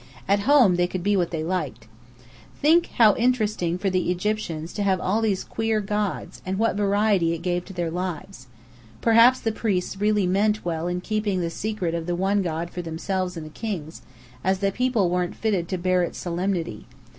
At home, they could be what they liked. Think how interesting for the Egyptians to have all these queer gods, and what variety it gave to their lives. Perhaps the priests really meant well in keeping the secret of the One God for themselves and the kings, as the people weren't fitted to bear its solemnity.